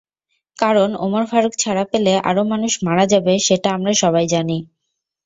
কারণ ওমর ফারুক ছাড়া পেলে আরও মানুষ মারা যাবে সেটা আমরা সবাই জানি।